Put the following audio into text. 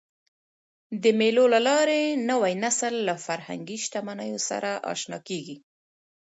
د مېلو له لاري نوی نسل له فرهنګي شتمنیو سره اشنا کېږي.